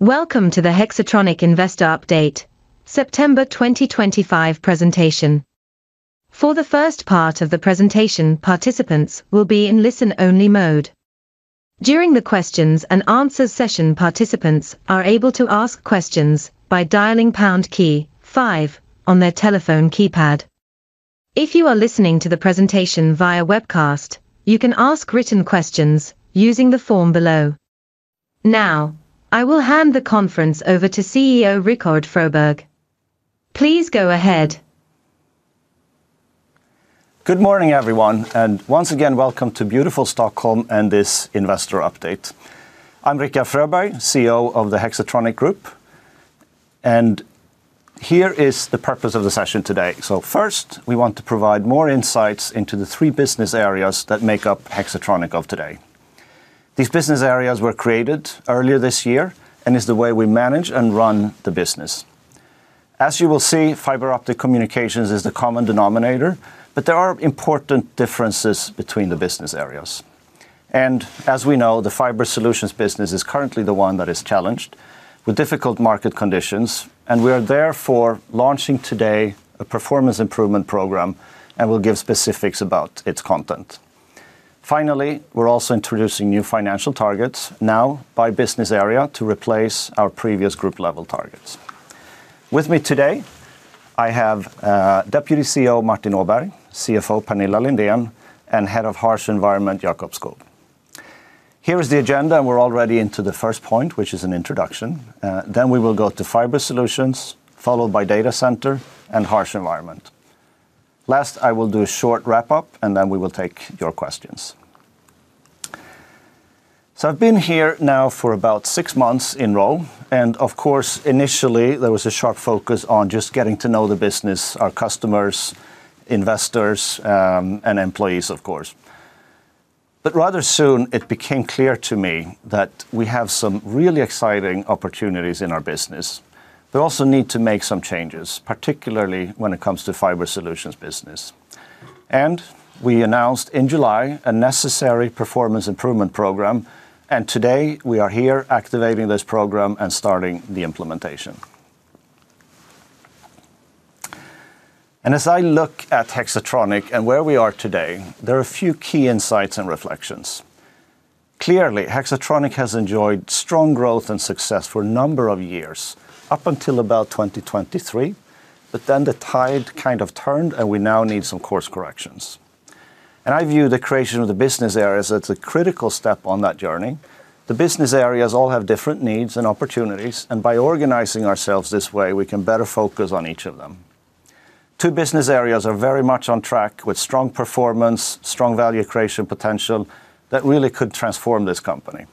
Welcome to the Hexatronic Investor Update September 2025 presentation. For the first part of the presentation, participants will be in listen-only mode. During the questions and answers session, participants are able to ask questions by dialing pound key 5 on their telephone keypad. If you are listening to the presentation via webcast, you can ask written questions using the form below. Now, I will hand the conference over to CEO Rikard Fröberg. Please go ahead. Good morning, everyone, and once again welcome to beautiful Stockholm and this Investor Update. I'm Rikard Fröberg, CEO of Hexatronic Group, and here is the purpose of the session today. First, we want to provide more insights into the three business areas that make up Hexatronic of today. These business areas were created earlier this year and are the way we manage and run the business. As you will see, fiber optic communications is the common denominator, but there are important differences between the business areas. As we know, the fiber solutions business is currently the one that is challenged with difficult market conditions, and we are therefore launching today a performance improvement program and will give specifics about its content. Finally, we're also introducing new financial targets now by business area to replace our previous group-level targets. With me today, I have Deputy CEO Martin Åberg, CFO Pernilla Lindén, and Head of Harsh Environment, Jakob Skog. Here is the agenda, and we're already into the first point, which is an introduction. We will go to fiber solutions, followed by data center and harsh environment. Last, I will do a short wrap-up, and then we will take your questions. I've been here now for about six months in role, and of course, initially there was a sharp focus on just getting to know the business, our customers, investors, and employees, of course. Rather soon, it became clear to me that we have some really exciting opportunities in our business, but also need to make some changes, particularly when it comes to fiber solutions business. We announced in July a necessary performance improvement program, and today we are here activating this program and starting the implementation. As I look at Hexatronic and where we are today, there are a few key insights and reflections. Clearly, Hexatronic has enjoyed strong growth and success for a number of years up until about 2023, but then the tide kind of turned, and we now need some course corrections. I view the creation of the business areas as a critical step on that journey. The business areas all have different needs and opportunities, and by organizing ourselves this way, we can better focus on each of them. Two business areas are very much on track with strong performance, strong value creation potential that really could transform this company.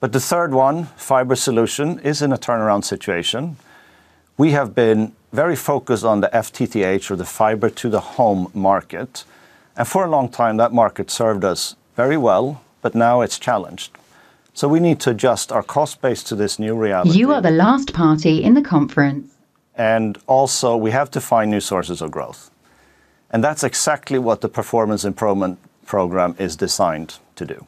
The third one, fiber solutions, is in a turnaround situation. We have been very focused on the FTTH or the fiber to the home market, and for a long time, that market served us very well, but now it's challenged. We need to adjust our cost base to this new reality. You are the last party in the conference. We have to find new sources of growth. That is exactly what the performance improvement program is designed to do.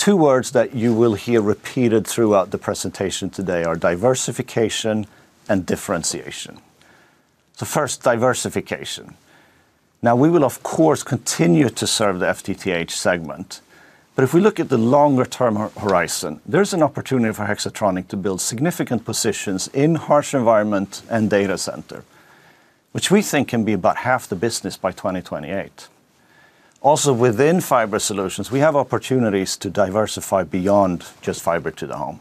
Two words that you will hear repeated throughout the presentation today are diversification and differentiation. First, diversification. We will, of course, continue to serve the FTTH segment, but if we look at the longer-term horizon, there is an opportunity for Hexatronic Group to build significant positions in harsh environment solutions and data center solutions, which we think can be about half the business by 2028. Within fiber solutions, we have opportunities to diversify beyond just fiber to the home.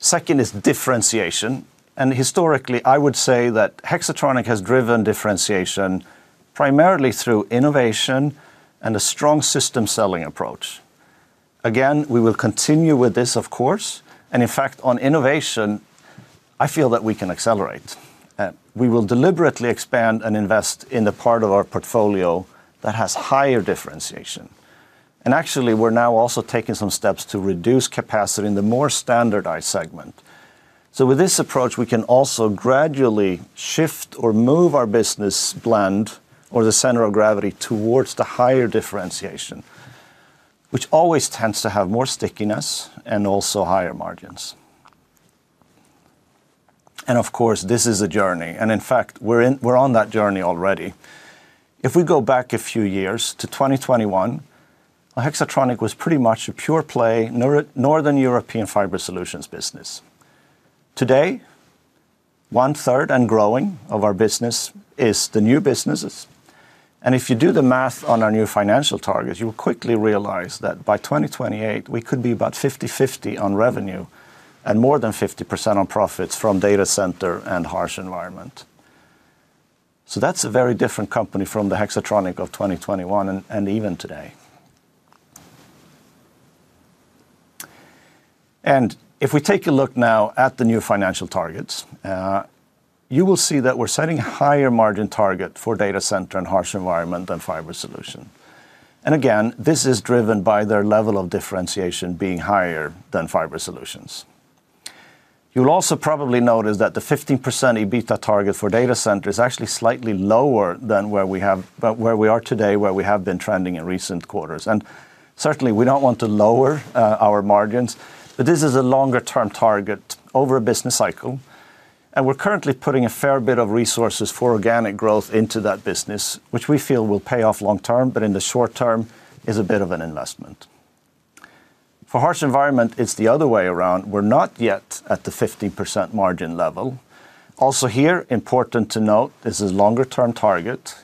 Second is differentiation. Historically, I would say that Hexatronic Group has driven differentiation primarily through innovation and a strong system selling approach. We will continue with this, and in fact, on innovation, I feel that we can accelerate. We will deliberately expand and invest in the part of our portfolio that has higher differentiation. We are now also taking some steps to reduce capacity in the more standardized segment. With this approach, we can gradually shift or move our business blend or the center of gravity towards the higher differentiation, which always tends to have more stickiness and also higher margins. This is a journey, and we are on that journey already. If we go back a few years to 2021, Hexatronic Group was pretty much a pure-play Northern European fiber solutions business. Today, one-third and growing of our business is the new businesses. If you do the math on our new financial targets, you will quickly realize that by 2028, we could be about 50-50 on revenue and more than 50% on profits from data center solutions and harsh environment solutions. That is a very different company from the Hexatronic Group of 2021 and even today. If we take a look now at the new financial targets, you will see that we are setting a higher margin target for data center solutions and harsh environment solutions than fiber solutions. This is driven by their level of differentiation being higher than fiber solutions. You will also probably notice that the 15% EBITDA target for data center solutions is actually slightly lower than where we are today, where we have been trending in recent quarters. We do not want to lower our margins, but this is a longer-term target over a business cycle. We're currently putting a fair bit of resources for organic growth into that business, which we feel will pay off long term, but in the short term is a bit of an investment. For harsh environment, it's the other way around. We're not yet at the 15% margin level. Also, important to note, this is a longer-term target.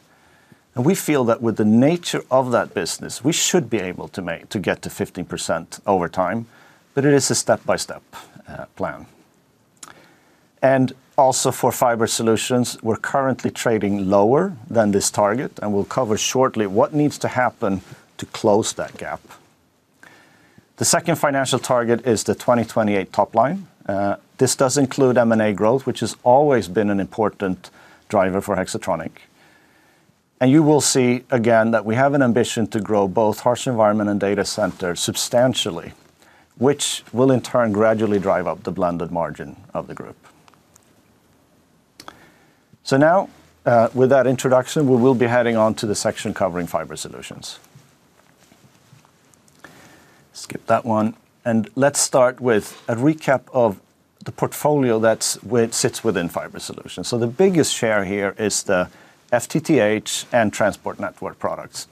We feel that with the nature of that business, we should be able to get to 15% over time, but it is a step-by-step plan. Also, for fiber solutions, we're currently trading lower than this target, and we'll cover shortly what needs to happen to close that gap. The second financial target is the 2028 top line. This does include M&A growth, which has always been an important driver for Hexatronic Group. You will see again that we have an ambition to grow both harsh environment and data center substantially, which will in turn gradually drive up the blended margin of the group. With that introduction, we will be heading on to the section covering fiber solutions. Skip that one, and let's start with a recap of the portfolio that sits within fiber solutions. The biggest share here is the FTTH and transport network products.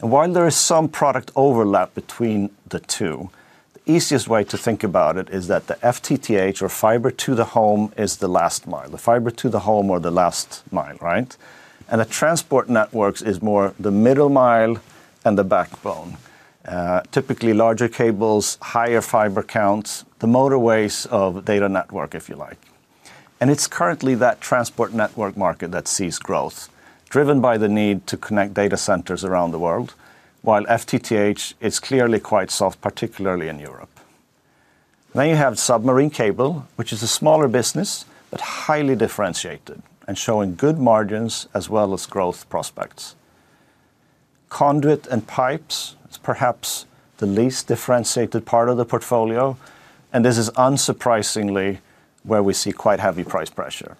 While there is some product overlap between the two, the easiest way to think about it is that the FTTH or fiber to the home is the last mile, the fiber to the home or the last mile, right? The transport networks are more the middle mile and the backbone. Typically, larger cables, higher fiber counts, the motorways of data network, if you like. It's currently that transport network market that sees growth, driven by the need to connect data centers around the world, while FTTH is clearly quite soft, particularly in Europe. You have submarine cable, which is a smaller business but highly differentiated and showing good margins as well as growth prospects. Conduit and pipes, it's perhaps the least differentiated part of the portfolio, and this is unsurprisingly where we see quite heavy price pressure.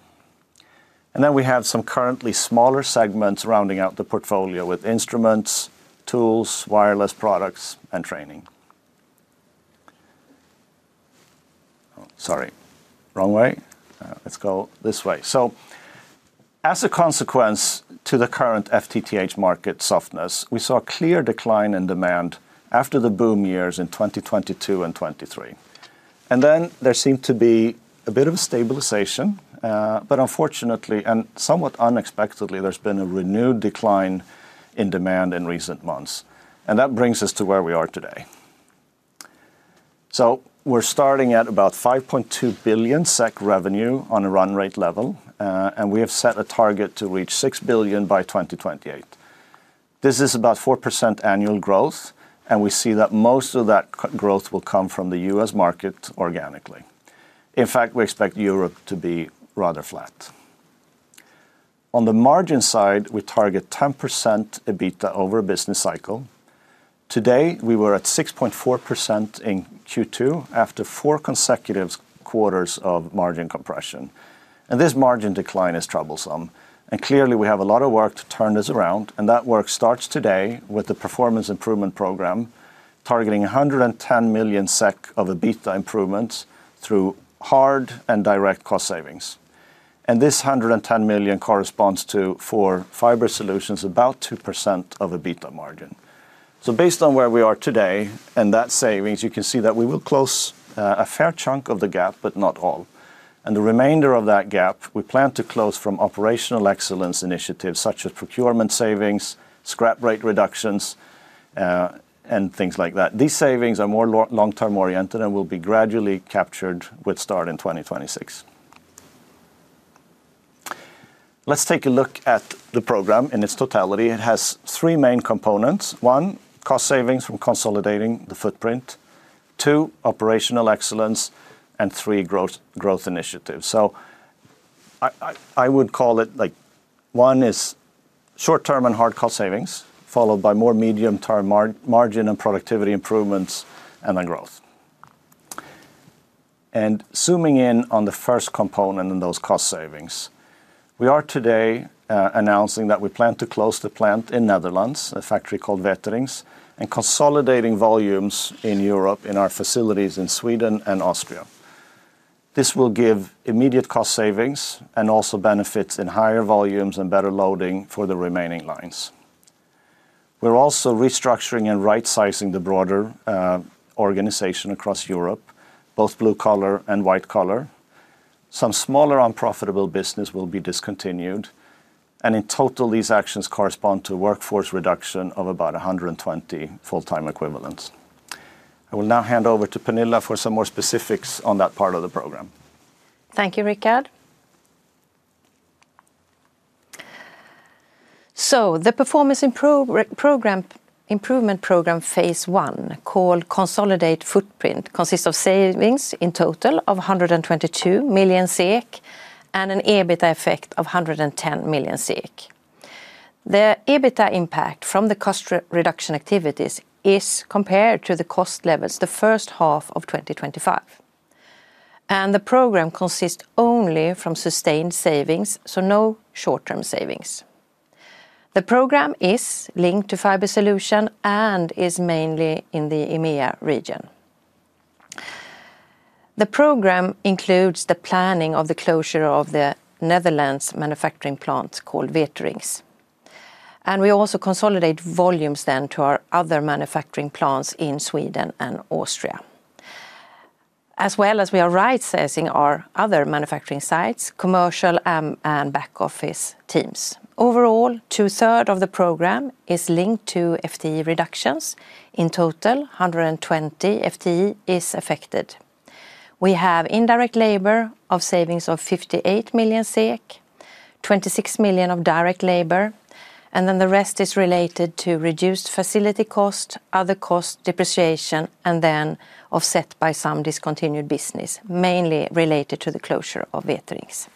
We have some currently smaller segments rounding out the portfolio with instruments, tools, wireless products, and training. As a consequence to the current FTTH market softness, we saw a clear decline in demand after the boom years in 2022 and 2023. There seemed to be a bit of a stabilization, but unfortunately, and somewhat unexpectedly, there's been a renewed decline in demand in recent months. That brings us to where we are today. We're starting at about 5.2 billion SEK revenue on a run-rate level, and we have set a target to reach 6 billion by 2028. This is about 4% annual growth, and we see that most of that growth will come from the U.S. market organically. In fact, we expect Europe to be rather flat. On the margin side, we target 10% EBITDA over a business cycle. Today, we were at 6.4% in Q2 after four consecutive quarters of margin compression. This margin decline is troublesome. Clearly, we have a lot of work to turn this around, and that work starts today with the performance improvement program targeting 110 million SEK of EBITDA improvements through hard and direct cost savings. This 110 million corresponds to, for fiber solutions, about 2% of EBITDA margin. Based on where we are today and that savings, you can see that we will close a fair chunk of the gap, but not all. The remainder of that gap, we plan to close from operational excellence initiatives such as procurement savings, scrap rate reductions, and things like that. These savings are more long-term oriented and will be gradually captured with start in 2026. Let's take a look at the program in its totality. It has three main components: one, cost savings from consolidating the footprint; two, operational excellence; and three, growth initiatives. I would call it like one is short-term and hard cost savings, followed by more medium-term margin and productivity improvements and a growth. Zooming in on the first component in those cost savings, we are today announcing that we plan to close the plant in the Netherlands, a factory called Weterings, and consolidating volumes in Europe in our facilities in Sweden and Austria. This will give immediate cost savings and also benefits in higher volumes and better loading for the remaining lines. We're also restructuring and right-sizing the broader organization across Europe, both blue-collar and white-collar. Some smaller unprofitable businesses will be discontinued. In total, these actions correspond to a workforce reduction of about 120 FTEs. I will now hand over to Pernilla for some more specifics on that part of the program. Thank you, Rikard. The performance improvement program phase one, called Consolidate Footprint, consists of savings in total of 122 million SEK and an EBITDA effect of 110 million SEK. The EBITDA impact from the cost reduction activities is compared to the cost levels the first half of 2025. The program consists only of sustained savings, so no short-term savings. The program is linked to fiber solutions and is mainly in the EMEA region. The program includes the planning of the closure of the Netherlands manufacturing plant called Weterings. We also consolidate volumes to our other manufacturing plants in Sweden and Austria, as well as right-sizing our other manufacturing sites, commercial and back-office teams. Overall, two-thirds of the program is linked to FTE reductions. In total, 120 FTEs are affected. We have indirect labor savings of 58 million SEK, 26 million of direct labor, and then the rest is related to reduced facility costs, other costs, depreciation, and offset by some discontinued business, mainly related to the closure of Weterings.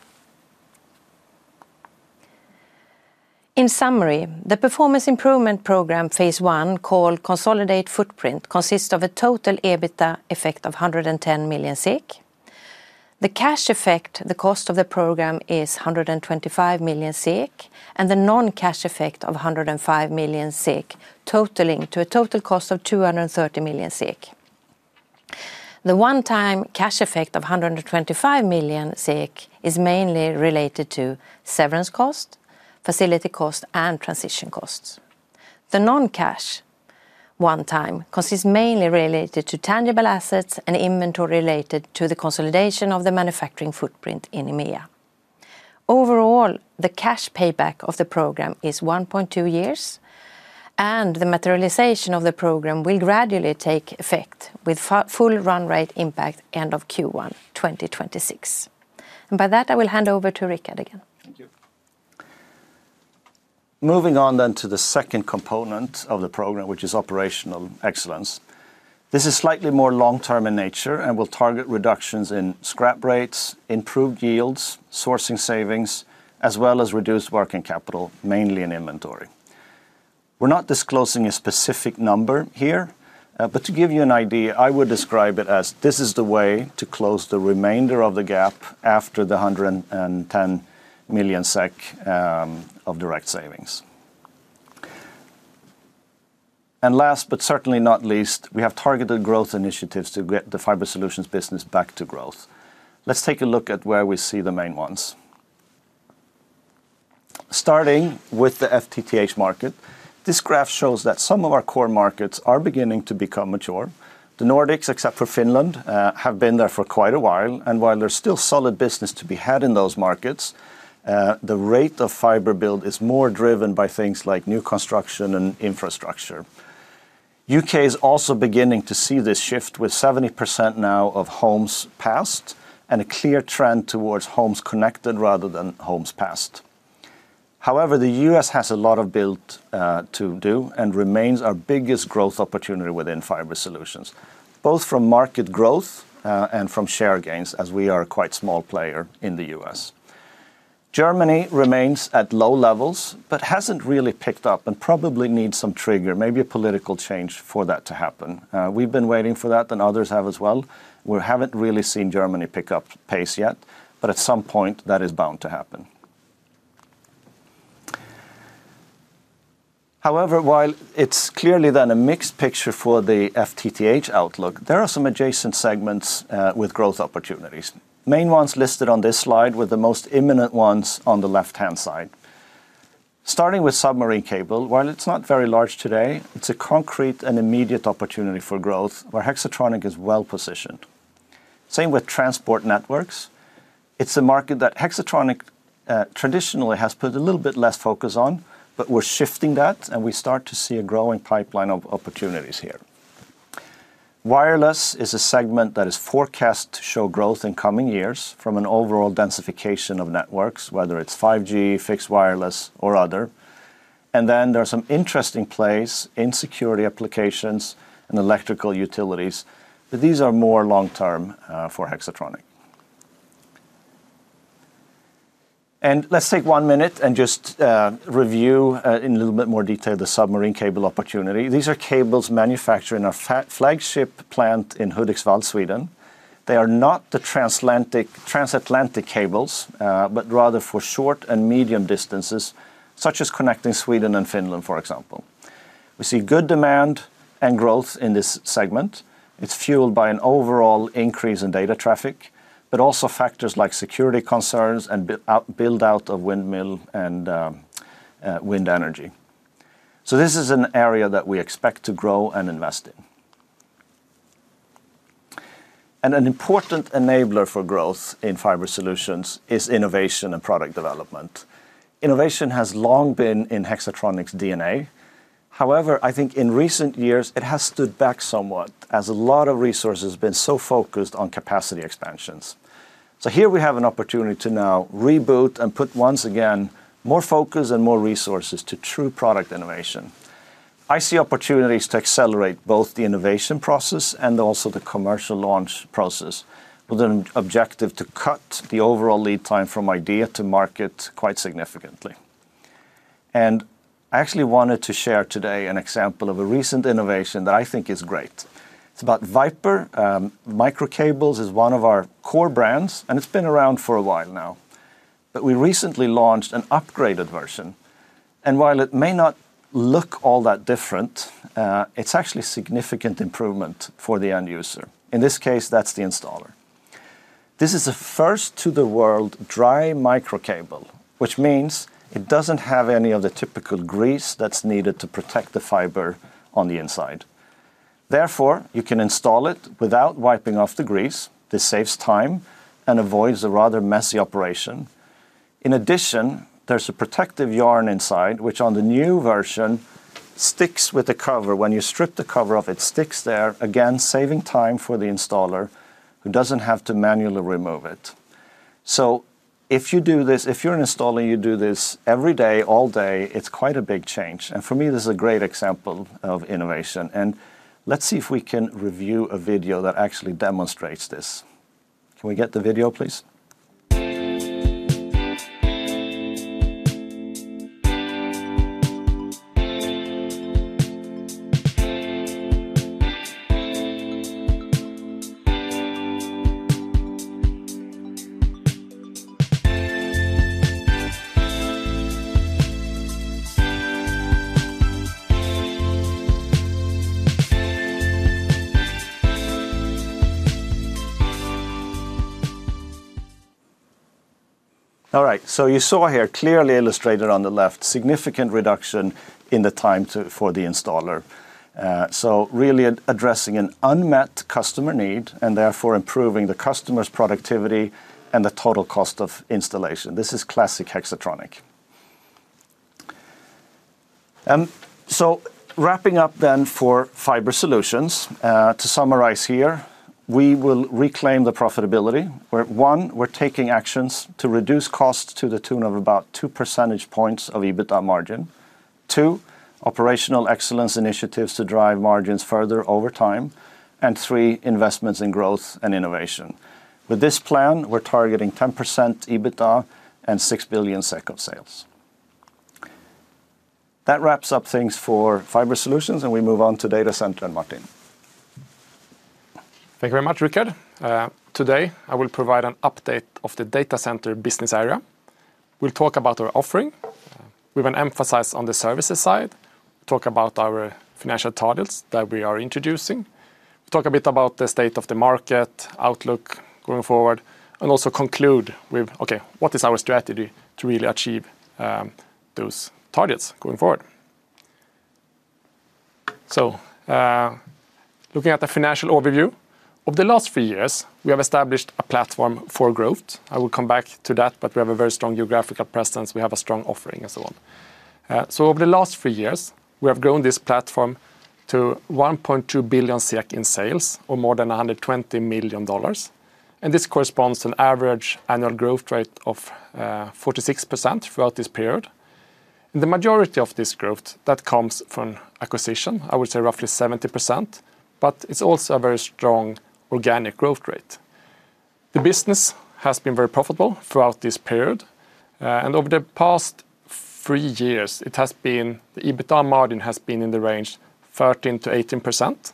In summary, the performance improvement program phase one, called Consolidate Footprint, consists of a total EBITDA effect of 110 million. The cash effect, the cost of the program, is 125 million, and the non-cash effect is 105 million, totaling a total cost of 230 million. The one-time cash effect of 125 million is mainly related to severance costs, facility costs, and transition costs. The non-cash one-time consists mainly of tangible assets and inventory related to the consolidation of the manufacturing footprint in EMEA. Overall, the cash payback of the program is 1.2 years, and the materialization of the program will gradually take effect with full run-rate impact end of Q1 2026. By that, I will hand over to Rikard again. Moving on then to the second component of the program, which is operational excellence. This is slightly more long-term in nature and will target reductions in scrap rates, improved yields, sourcing savings, as well as reduced working capital, mainly in inventory. We're not disclosing a specific number here, but to give you an idea, I would describe it as this is the way to close the remainder of the gap after the 110 million SEK of direct savings. Last but certainly not least, we have targeted growth initiatives to get the fiber solutions business back to growth. Let's take a look at where we see the main ones. Starting with the FTTH market, this graph shows that some of our core markets are beginning to become mature. The Nordics, except for Finland, have been there for quite a while, and while there's still solid business to be had in those markets, the rate of fiber build is more driven by things like new construction and infrastructure. The UK is also beginning to see this shift with 70% now of homes passed and a clear trend towards homes connected rather than homes passed. However, the U.S. has a lot of build to do and remains our biggest growth opportunity within fiber solutions, both from market growth and from share gains, as we are a quite small player in the U.S. Germany remains at low levels but hasn't really picked up and probably needs some trigger, maybe a political change for that to happen. We've been waiting for that and others have as well. We haven't really seen Germany pick up pace yet, but at some point that is bound to happen. However, while it's clearly then a mixed picture for the FTTH outlook, there are some adjacent segments with growth opportunities. Main ones listed on this slide with the most imminent ones on the left-hand side. Starting with submarine cables, while it's not very large today, it's a concrete and immediate opportunity for growth where Hexatronic is well positioned. Same with transport networks. It's a market that Hexatronic traditionally has put a little bit less focus on, but we're shifting that and we start to see a growing pipeline of opportunities here. Wireless is a segment that is forecast to show growth in coming years from an overall densification of networks, whether it's 5G, fixed wireless, or other. There are some interesting plays in security applications and electrical utilities, but these are more long-term for Hexatronic. Let's take one minute and just review in a little bit more detail the submarine cable opportunity. These are cables manufactured in our flagship plant in Hudiksvall, Sweden. They are not the transatlantic cables, but rather for short and medium distances, such as connecting Sweden and Finland, for example. We see good demand and growth in this segment. It's fueled by an overall increase in data traffic, but also factors like security concerns and build-out of windmill and wind energy. This is an area that we expect to grow and invest in. An important enabler for growth in fiber solutions is innovation and product development. Innovation has long been in Hexatronic's DNA. However, I think in recent years it has stood back somewhat as a lot of resources have been so focused on capacity expansions. Here we have an opportunity to now reboot and put once again more focus and more resources to true product innovation. I see opportunities to accelerate both the innovation process and also the commercial launch process with an objective to cut the overall lead time from idea to market quite significantly. I actually wanted to share today an example of a recent innovation that I think is great. It's about VIPER microcables. Microcables is one of our core brands, and it's been around for a while now. We recently launched an upgraded version, and while it may not look all that different, it's actually a significant improvement for the end user. In this case, that's the installer. This is a first-to-the-world dry microcable, which means it doesn't have any of the typical grease that's needed to protect the fiber on the inside. Therefore, you can install it without wiping off the grease. This saves time and avoids a rather messy operation. In addition, there's a protective yarn inside, which on the new version sticks with the cover. When you strip the cover off, it sticks there, again saving time for the installer who doesn't have to manually remove it. If you do this, if you're an installer, you do this every day, all day, it's quite a big change. For me, this is a great example of innovation. Let's see if we can review a video that actually demonstrates this. Can we get the video, please? All right, you saw here clearly illustrated on the left, significant reduction in the time for the installer. Really addressing an unmet customer need and therefore improving the customer's productivity and the total cost of installation. This is classic Hexatronic. Wrapping up for fiber solutions, to summarize here, we will reclaim the profitability. One, we're taking actions to reduce costs to the tune of about two percentage points of EBITDA margin. Two, operational excellence initiatives to drive margins further over time. Three, investments in growth and innovation. With this plan, we're targeting 10% EBITDA and 6 billion SEK of sales. That wraps up things for fiber solutions, and we move on to data center and Martin. Thank you very much, Rikard. Today, I will provide an update of the data center business area. We'll talk about our offering. We're going to emphasize on the services side, talk about our financial targets that we are introducing, talk a bit about the state of the market outlook going forward, and also conclude with, okay, what is our strategy to really achieve those targets going forward? Looking at the financial overview, over the last three years, we have established a platform for growth. I will come back to that, but we have a very strong geographical presence. We have a strong offering and so on. Over the last three years, we have grown this platform to 1.2 billion in sales or more than $120 million. This corresponds to an average annual growth rate of 46% throughout this period. The majority of this growth comes from acquisition, I would say roughly 70%, but it's also a very strong organic growth rate. The business has been very profitable throughout this period. Over the past three years, the EBITDA margin has been in the range of 13% to 18%.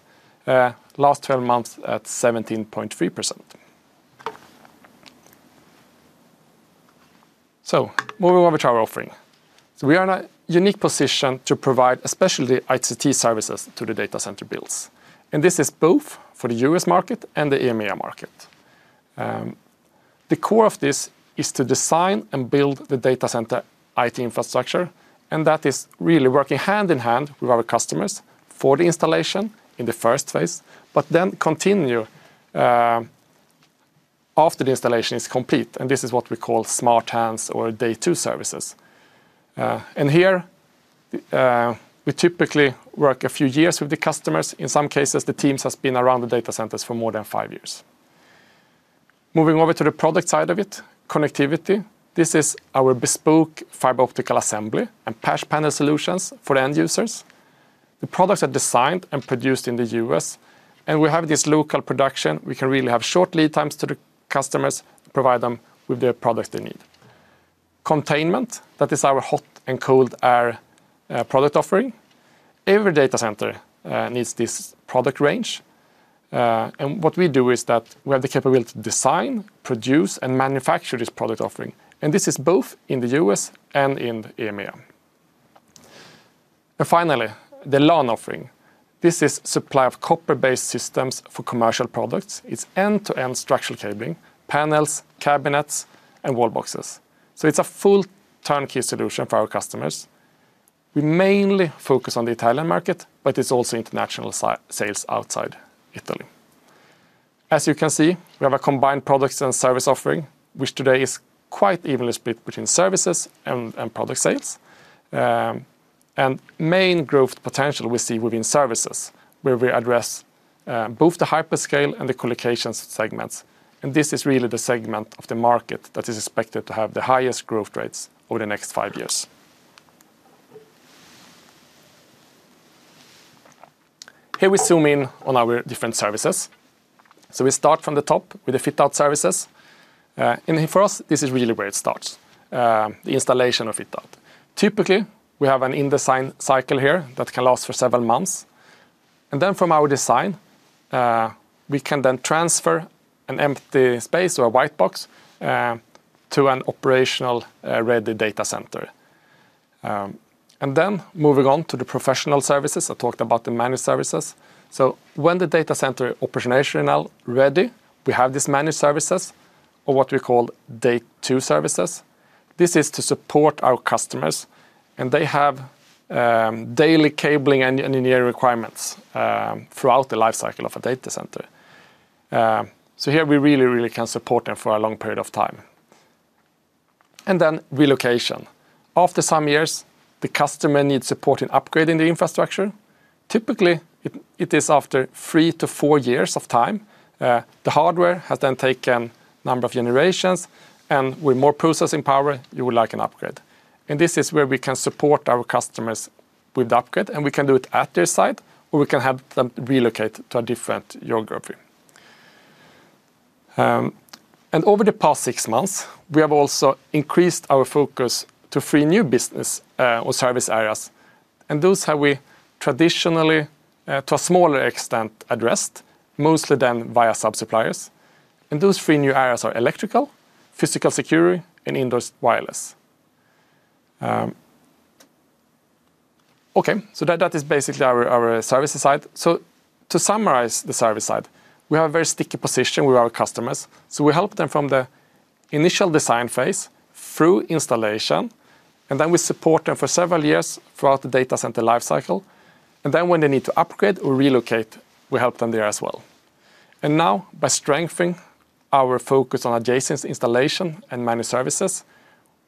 Last 12 months, at 17.3%. Moving over to our offering, we are in a unique position to provide especially IT services to the data center builds. This is both for the U.S. market and the EMEA market. The core of this is to design and build the data center IT infrastructure, and that is really working hand in hand with our customers for the installation in the first phase, but then continue after the installation is complete. This is what we call smart hands or day two services. Here, we typically work a few years with the customers. In some cases, the teams have been around the data centers for more than five years. Moving over to the product side of it, connectivity. This is our bespoke fiber optical assembly and patch panel solutions for end users. The products are designed and produced in the U.S., and we have this local production. We can really have short lead times to the customers and provide them with the products they need. Containment, that is our hot and cold air product offering. Every data center needs this product range. What we do is that we have the capability to design, produce, and manufacture this product offering. This is both in the U.S. and in EMEA. Finally, the LAN offering. This is a supply of copper-based systems for commercial products. It's end-to-end structural cabling, panels, cabinets, and wall boxes. It's a full turnkey solution for our customers. We mainly focus on the Italian market, but it's also international sales outside Italy. As you can see, we have a combined product and service offering, which today is quite evenly split between services and product sales. The main growth potential we see is within services, where we address both the hyperscale and the colocation segments. This is really the segment of the market that is expected to have the highest growth rates over the next five years. Here we zoom in on our different services. We start from the top with the fit-out services. For us, this is really where it starts, the installation of fit-out. Typically, we have an in-design cycle here that can last for several months. From our design, we can then transfer an empty space or a white box to an operational-ready data center. Moving on to the professional services, I talked about the managed services. When the data center operation is ready, we have these managed services, or what we call day two services. This is to support our customers, and they have daily cabling and engineering requirements throughout the lifecycle of a data center. Here we really can support them for a long period of time. Relocation comes next. After some years, the customer needs support in upgrading the infrastructure. Typically, it is after three to four years of time. The hardware has then taken a number of generations, and with more processing power, you would like an upgrade. This is where we can support our customers with the upgrade, and we can do it at their site, or we can help them relocate to a different geography. Over the past six months, we have also increased our focus to three new business or service areas. Those have we traditionally, to a smaller extent, addressed, mostly done via subsuppliers. Those three new areas are electrical, physical security, and invoice wireless. That is basically our services side. To summarize the service side, we have a very sticky position with our customers. We help them from the initial design phase through installation, and then we support them for several years throughout the data center lifecycle. When they need to upgrade or relocate, we help them there as well. Now, by strengthening our focus on adjacent installation and managed services,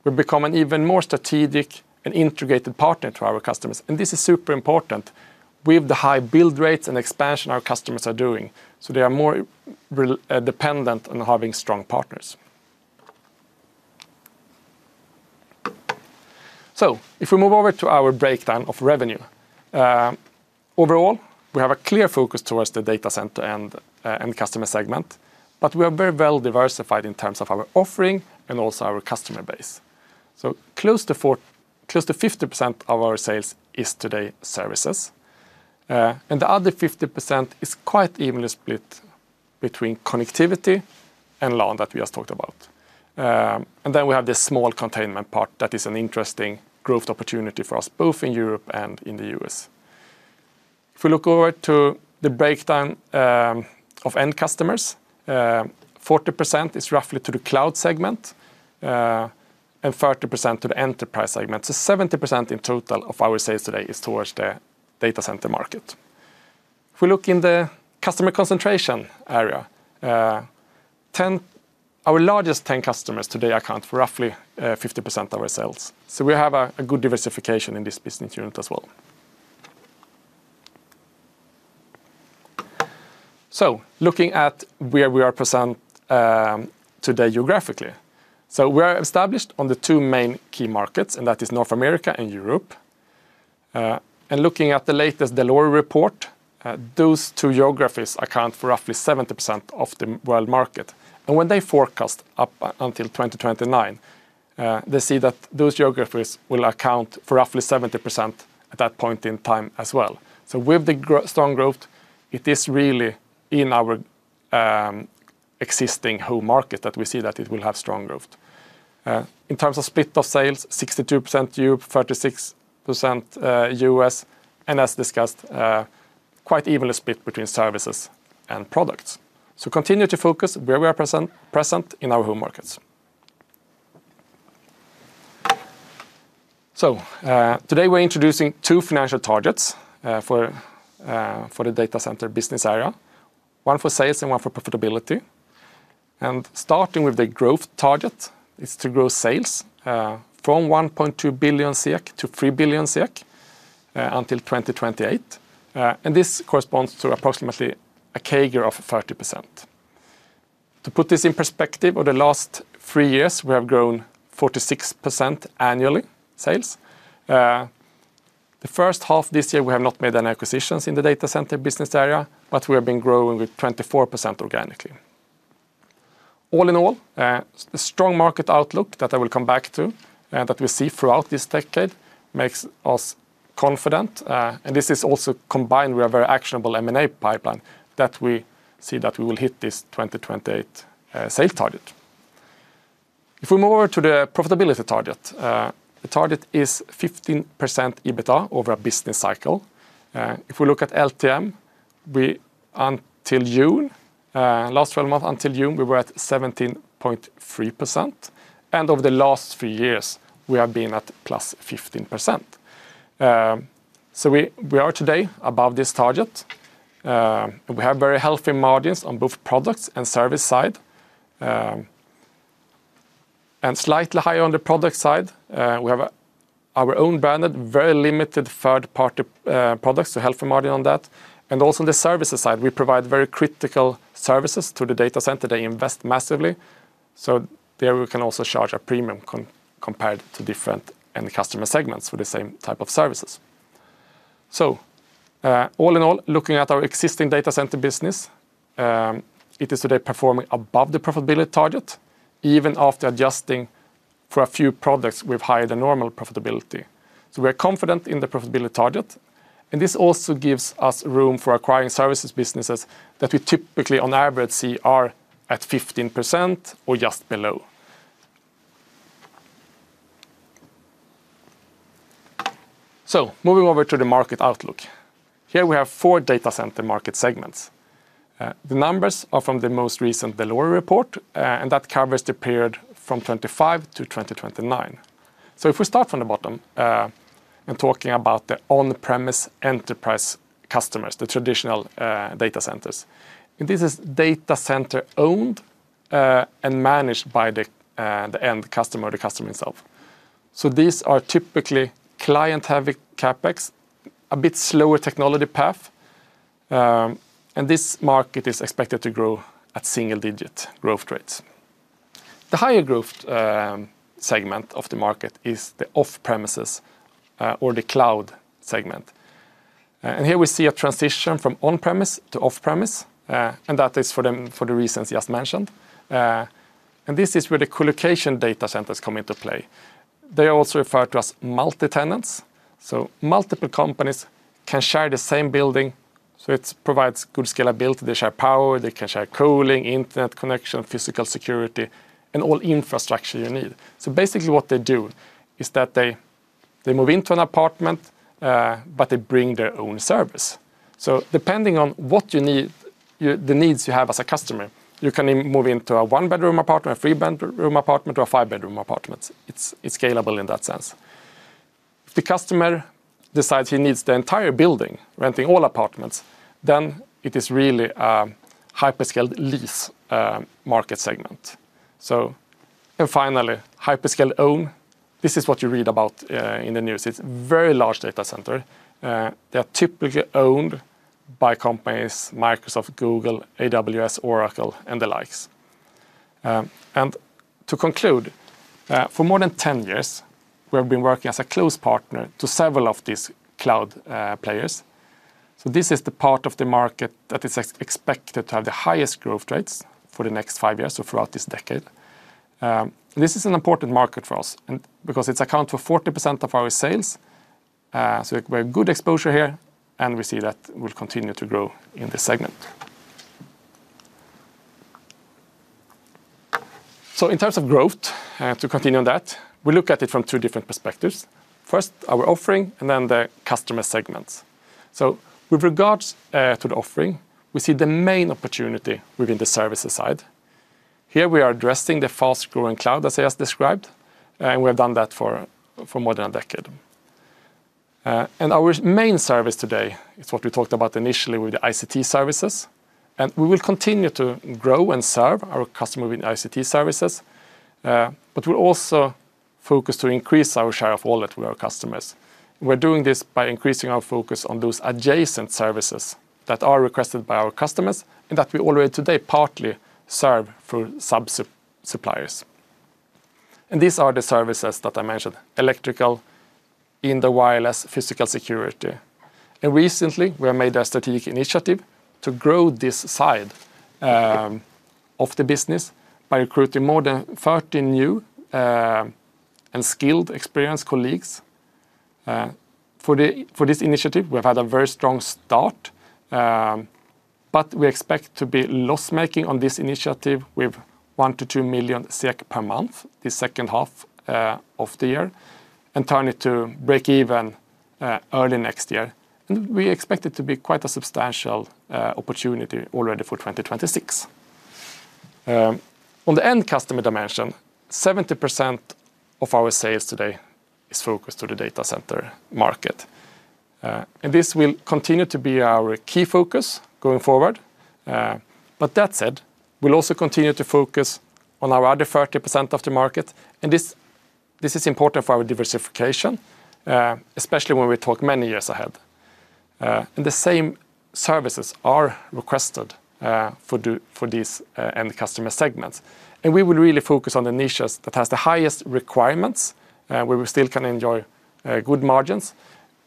we've become an even more strategic and integrated partner to our customers. This is super important with the high build rates and expansion our customers are doing. They are more dependent on having strong partners. If we move over to our breakdown of revenue, overall, we have a clear focus towards the data center and customer segment, but we are very well diversified in terms of our offering and also our customer base. Close to 50% of our sales is today services, and the other 50% is quite evenly split between connectivity and LAN that we just talked about. We have this small containment part that is an interesting growth opportunity for us, both in Europe and in the U.S. If we look over to the breakdown of end customers, 40% is roughly to the cloud segment and 30% to the enterprise segment. 70% in total of our sales today is towards the data center market. If we look in the customer concentration area, our largest 10 customers today account for roughly 50% of our sales. We have a good diversification in this business unit as well. Looking at where we are present today geographically, we are established on the two main key markets, and that is North America and Europe. Looking at the latest Deloitte report, those two geographies account for roughly 70% of the world market. When they forecast up until 2029, they see that those geographies will account for roughly 70% at that point in time as well. With the strong growth, it is really in our existing home market that we see that it will have strong growth. In terms of split of sales, 62% Europe, 36% U.S., and as discussed, quite evenly split between services and products. We continue to focus where we are present in our home markets. Today we're introducing two financial targets for the data center business area, one for sales and one for profitability. Starting with the growth target, it is to grow sales from 1.2 billion SEK to 3 billion SEK until 2028. This corresponds to approximately a CAGR of 30%. To put this in perspective, over the last three years, we have grown 46% annually in sales. The first half of this year, we have not made any acquisitions in the data center business area, but we have been growing with 24% organically. All in all, the strong market outlook that I will come back to, that we see throughout this decade, makes us confident. This is also combined with a very actionable M&A pipeline that we see that we will hit this 2028 sales target. If we move over to the profitability target, the target is 15% EBITDA over a business cycle. If we look at LTM, until June, last 12 months until June, we were at 17.3%. Over the last three years, we have been at plus 15%. We are today above this target. We have very healthy margins on both products and service side, and slightly higher on the product side. We have our own branded, very limited third-party products, so healthy margin on that. Also on the services side, we provide very critical services to the data center. They invest massively. There we can also charge a premium compared to different end customer segments for the same type of services. All in all, looking at our existing data center business, it is today performing above the profitability target, even after adjusting for a few products with higher than normal profitability. We are confident in the profitability target. This also gives us room for acquiring services businesses that we typically, on average, see are at 15% or just below. Moving over to the market outlook, here we have four data center market segments. The numbers are from the most recent Deloitte report, and that covers the period from 2025 to 2029. If we start from the bottom and talk about the on-premise enterprise customers, the traditional data centers, this is data center owned and managed by the end customer or the customer itself. These are typically client-having CapEx, a bit slower technology path, and this market is expected to grow at single-digit growth rates. The higher growth segment of the market is the off-premises or the cloud segment. Here we see a transition from on-premise to off-premise, and that is for the reasons just mentioned. This is where the colocation data centers come into play. They are also referred to as multi-tenants. Multiple companies can share the same building, so it provides good scalability. They share power, they can share cooling, internet connection, physical security, and all infrastructure you need. Basically what they do is that they move into an apartment, but they bring their own service. Depending on what you need, the needs you have as a customer, you can move into a one-bedroom apartment, a three-bedroom apartment, or a five-bedroom apartment. It's scalable in that sense. If the customer decides he needs the entire building, renting all apartments, then it is really a hyperscale lease market segment. Finally, hyperscale own, this is what you read about in the news. It's a very large data center. They are typically owned by companies: Microsoft, Google, AWS, Oracle, and the likes. To conclude, for more than 10 years, we have been working as a close partner to several of these cloud players. This is the part of the market that is expected to have the highest growth rates for the next five years, throughout this decade. This is an important market for us because it accounts for 40% of our sales. We have good exposure here, and we see that we'll continue to grow in this segment. In terms of growth, to continue on that, we look at it from two different perspectives: first, our offering, and then the customer segments. With regards to the offering, we see the main opportunity within the services side. Here we are addressing the fast-growing cloud as I just described, and we have done that for more than a decade. Our main service today is what we talked about initially with the ICT services. We will continue to grow and serve our customers with ICT services, but we'll also focus to increase our share of all that with our customers. We're doing this by increasing our focus on those adjacent services that are requested by our customers and that we already today partly serve through subsuppliers. These are the services that I mentioned: electrical, indoor wireless, physical security. Recently, we have made a strategic initiative to grow this side of the business by recruiting more than 30 new and skilled, experienced colleagues. For this initiative, we've had a very strong start, but we expect to be loss-making on this initiative with $1 million to $2 million SEK per month this second half of the year and turn it to break even early next year. We expect it to be quite a substantial opportunity already for 2026. On the end customer dimension, 70% of our sales today is focused on the data center market. This will continue to be our key focus going forward. That said, we'll also continue to focus on our other 30% of the market. This is important for our diversification, especially when we talk many years ahead. The same services are requested for these end customer segments. We will really focus on the niches that have the highest requirements, where we still can enjoy good margins.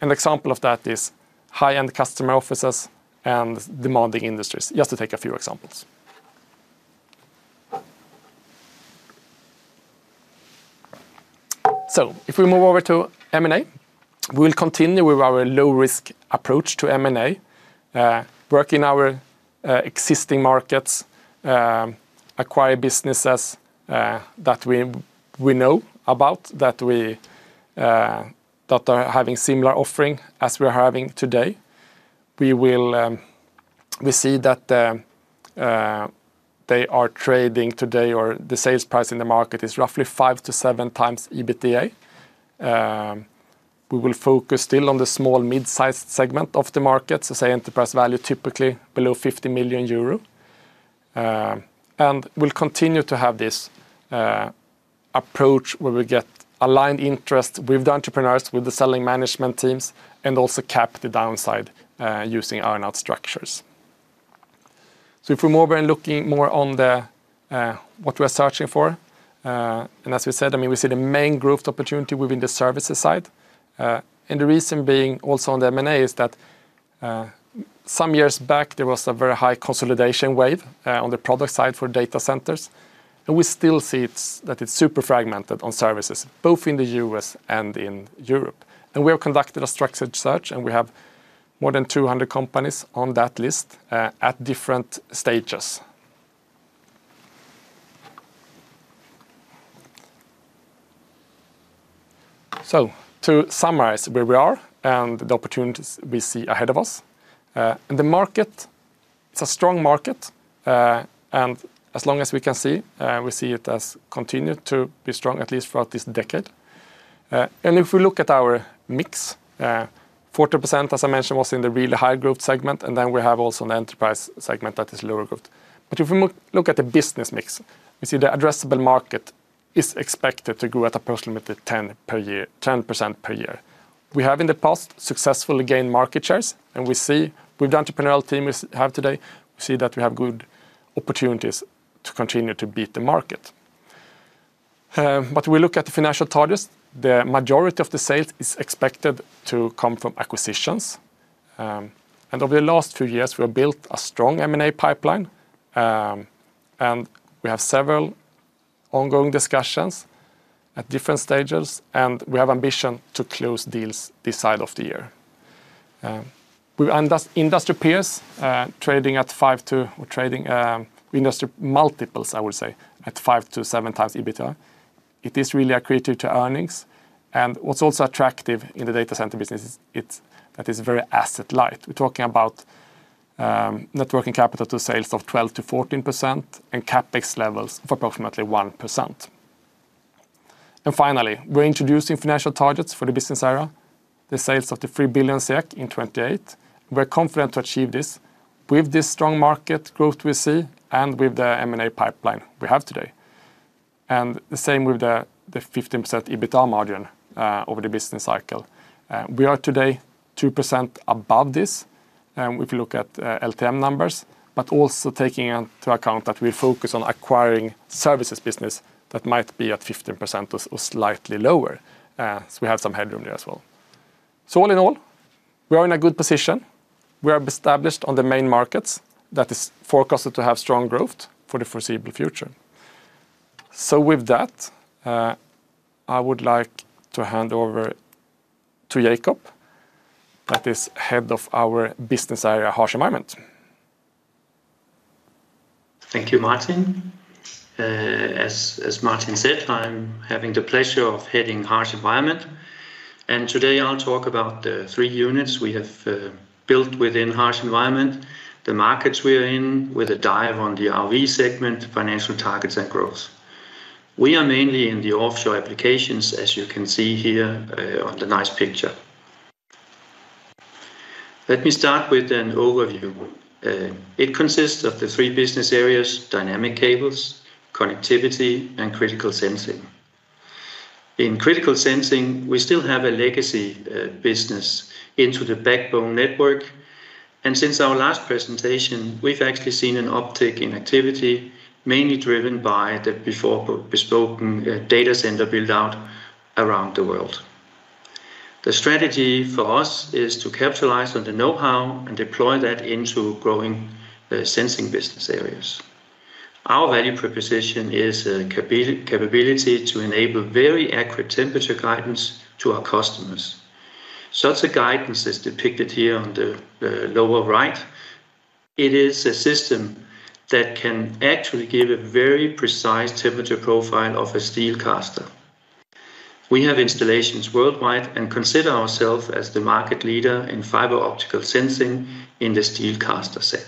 An example of that is high-end customer offices and demanding industries, just to take a few examples. If we move over to M&A, we'll continue with our low-risk approach to M&A, working our existing markets, acquiring businesses that we know about, that are having similar offerings as we're having today. We see that they are trading today or the sales price in the market is roughly 5 to 7 times EBITDA. We will focus still on the small, mid-sized segment of the market, so say enterprise value typically below €50 million. We'll continue to have this approach where we get aligned interests with the entrepreneurs, with the selling management teams, and also cap the downside using earn-out structures. If we're looking more on what we're searching for, and as we said, we see the main growth opportunity within the services side. The reason being also on the M&A is that some years back, there was a very high consolidation wave on the product side for data centers. We still see that it's super fragmented on services, both in the U.S. and in Europe. We have conducted a structured search, and we have more than 200 companies on that list at different stages. To summarize where we are and the opportunities we see ahead of us, the market is a strong market. As long as we can see, we see it as continuing to be strong, at least throughout this decade. If we look at our mix, 40%, as I mentioned, was in the really high-growth segment, and then we have also an enterprise segment that is lower growth. If we look at the business mix, we see the addressable market is expected to grow at approximately 10% per year. We have in the past successfully gained market shares, and we see with the entrepreneurial team we have today, we see that we have good opportunities to continue to beat the market. If we look at the financial targets, the majority of the sales is expected to come from acquisitions. Over the last few years, we have built a strong M&A pipeline, and we have several ongoing discussions at different stages, and we have ambition to close deals this side of the year. Industry peers are trading at industry multiples, I would say, at 5 to 7 times EBITDA. It is really accretive to earnings. What's also attractive in the data center business is that it's very asset-light. We're talking about networking capital to sales of 12 to 14% and capex levels of approximately 1%. Finally, we're introducing financial targets for the business area, the sales of the 3 billion SEK in 2028. We're confident to achieve this with this strong market growth we see and with the M&A pipeline we have today. The same with the 15% EBITDA margin over the business cycle. We are today 2% above this, and we can look at LTM numbers, but also taking into account that we focus on acquiring services business that might be at 15% or slightly lower. We have some headroom there as well. All in all, we are in a good position. We are established on the main markets that are forecasted to have strong growth for the foreseeable future. With that, I would like to hand over to Jakob, that is Head of our business area, Harsh Environment. Thank you, Martin. As Martin said, I'm having the pleasure of heading Harsh Environment. Today, I'll talk about the three units we have built within Harsh Environment, the markets we are in, with a dive on the RV segment, financial targets, and growth. We are mainly in the offshore applications, as you can see here on the nice picture. Let me start with an overview. It consists of the three business areas: dynamic cables, connectivity, and critical sensing. In critical sensing, we still have a legacy business into the backbone network. Since our last presentation, we've actually seen an uptick in activity, mainly driven by the bespoken data center build-out around the world. The strategy for us is to capitalize on the know-how and deploy that into growing sensing business areas. Our value proposition is a capability to enable very accurate temperature guidance to our customers. Such a guidance is depicted here on the lower right. It is a system that can actually give a very precise temperature profile of a steel caster. We have installations worldwide and consider ourselves as the market leader in fiber optical sensing in the steel caster sector.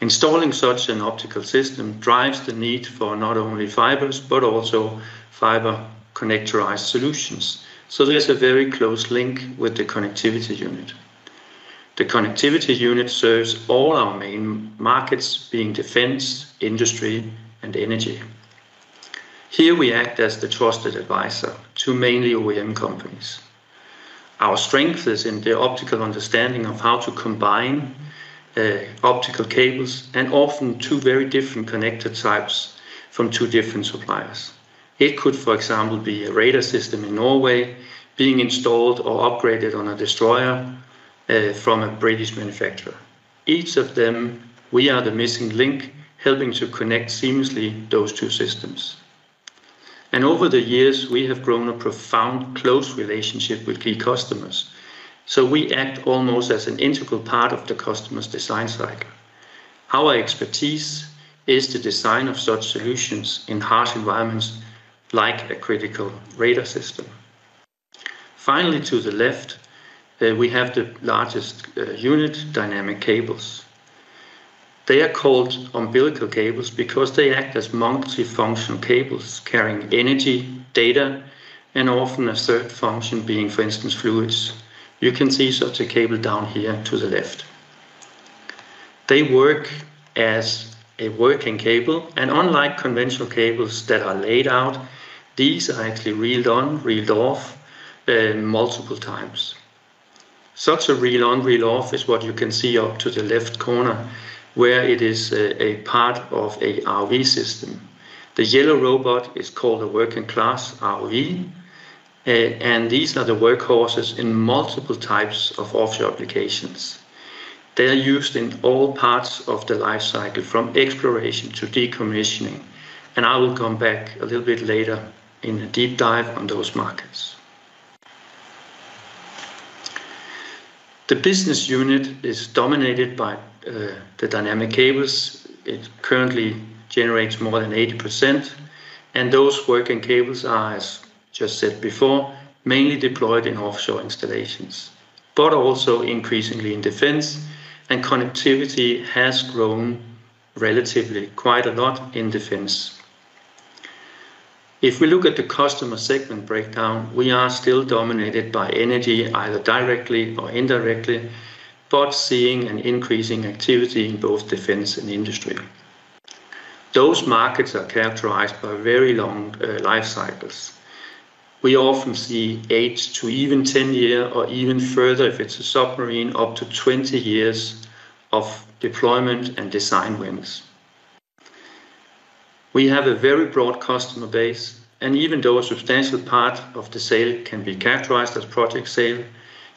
Installing such an optical system drives the need for not only fibers, but also fiber connectorized solutions. There is a very close link with the connectivity unit. The connectivity unit serves all our main markets, being defense, industry, and energy. Here we act as the trusted advisor to mainly OEM companies. Our strength is in the optical understanding of how to combine optical cables and often two very different connector types from two different suppliers. It could, for example, be a radar system in Norway being installed or upgraded on a destroyer from a British manufacturer. Each of them, we are the missing link helping to connect seamlessly those two systems. Over the years, we have grown a profound close relationship with key customers. We act almost as an integral part of the customer's design cycle. Our expertise is the design of such solutions in harsh environments like a critical radar system. Finally, to the left, we have the largest unit, dynamic cables. They are called umbilical cables because they act as multi-function cables carrying energy, data, and often a third function being, for instance, fluids. You can see such a cable down here to the left. They work as a working cable, and unlike conventional cables that are laid out, these are actually reeled on, reeled off multiple times. Such a reel on, reel off is what you can see up to the left corner where it is a part of an ROV system. The yellow robot is called a working-class ROV, and these are the workhorses in multiple types of offshore applications. They're used in all parts of the lifecycle from exploration to decommissioning. I will come back a little bit later in a deep dive on those markets. The business unit is dominated by the dynamic cables. It currently generates more than 80%. Those working cables are, as just said before, mainly deployed in offshore installations, but also increasingly in defense, and connectivity has grown relatively quite a lot in defense. If we look at the customer segment breakdown, we are still dominated by energy, either directly or indirectly, but seeing an increasing activity in both defense and industry. Those markets are characterized by very long life cycles. We often see eight to even 10 years, or even further if it's a submarine, up to 20 years of deployment and design wins. We have a very broad customer base, and even though a substantial part of the sale can be characterized as project sale,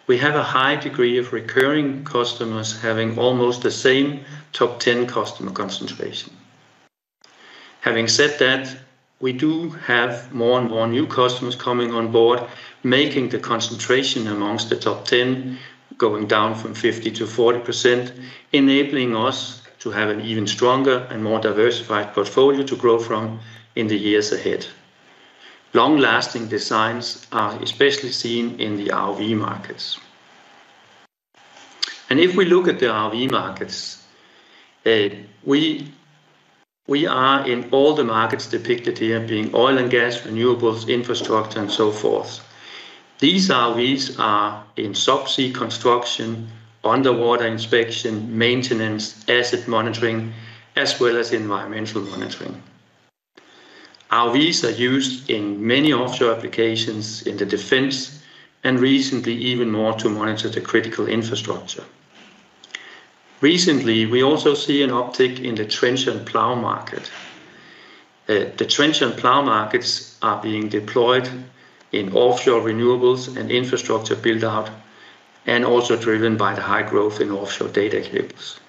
we have a high degree of recurring customers having almost the same top 10 customer concentration. Having said that, we do have more and more new customers coming on board, making the concentration amongst the top 10 going down from 50% to 40%, enabling us to have an even stronger and more diversified portfolio to grow from in the years ahead. Long-lasting designs are especially seen in the ROV markets. If we look at the ROV markets, we are in all the markets depicted here, being oil and gas, renewables, infrastructure, and so forth. These ROVs are in subsea construction, underwater inspection, maintenance, asset monitoring, as well as environmental monitoring. ROVs are used in many offshore applications in the defense and recently even more to monitor the critical infrastructure. Recently, we also see an uptick in the trench and plow market. The trench and plow markets are being deployed in offshore renewables and infrastructure build-out and also driven by the high growth in offshore data cables.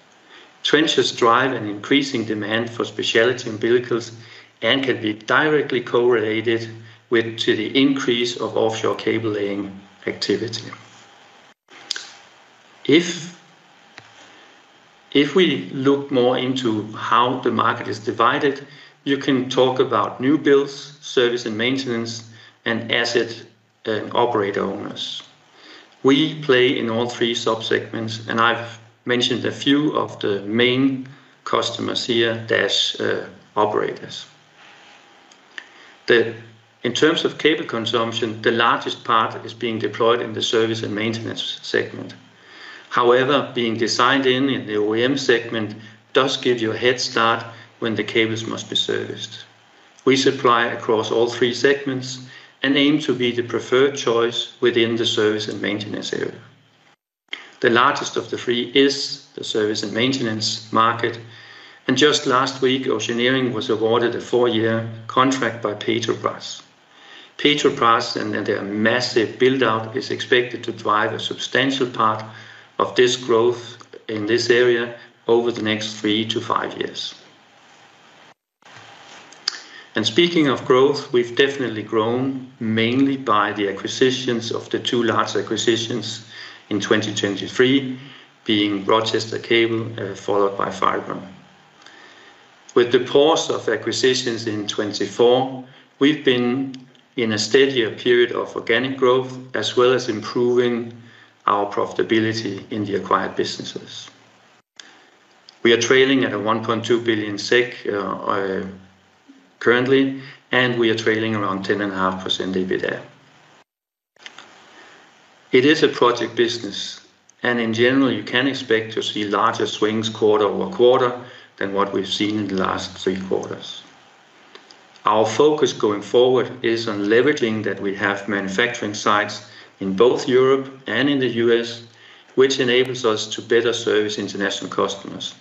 Trenches drive an increasing demand for specialty umbilicals and can be directly correlated to the increase of offshore cable laying activity. If we look more into how the market is divided, you can talk about new builds, service and maintenance, and asset and operator owners. We play in all three subsegments, and I've mentioned a few of the main customers here, operators. In terms of cable consumption, the largest part is being deployed in the service and maintenance segment. However, being designed in the OEM segment does give you a head start when the cables must be serviced. We supply across all three segments and aim to be the preferred choice within the service and maintenance area. The largest of the three is the service and maintenance market. Just last week, Oceanering was awarded a four-year contract by Petrobras. Petrobras and their massive build-out is expected to drive a substantial part of this growth in this area over the next three to five years. Speaking of growth, we've definitely grown mainly by the acquisitions of the two large acquisitions in 2023, being Rochester Cable followed by Fibron. With the pause of acquisitions in 2024, we've been in a steadier period of organic growth as well as improving our profitability in the acquired businesses. We are trailing at a 1.2 billion SEK currently, and we are trailing around 10.5% EBITDA. It is a project business, and in general, you can expect to see larger swings quarter over quarter than what we've seen in the last three quarters. Our focus going forward is on leveraging that we have manufacturing sites in both Europe and in the U.S., which enables us to better service international customers.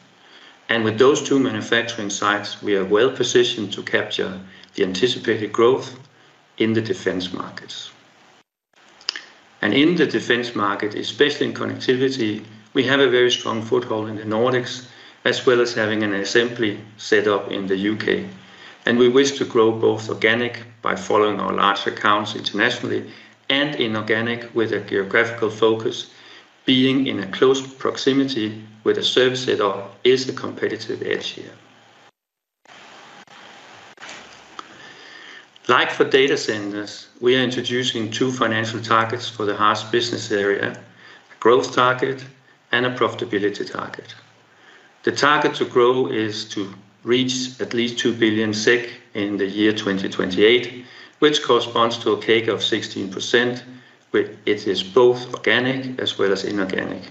With those two manufacturing sites, we are well positioned to capture the anticipated growth in the defense markets. In the defense market, especially in connectivity, we have a very strong foothold in the Nordics, as well as having an assembly set up in the UK. We wish to grow both organic by following our large accounts internationally and inorganic with a geographical focus. Being in close proximity with a service setup is a competitive edge here. Like for data centers, we are introducing two financial targets for the harsh environment solutions business area: a growth target and a profitability target. The target to grow is to reach at least 2 billion in the year 2028, which corresponds to a CAGR of 16%, where it is both organic as well as inorganic.